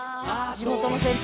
地元の先輩。